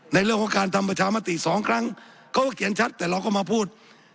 ในเรื่องของการทำประชามติสองครั้งเขาก็เขียนชัดแต่เราก็มาพูด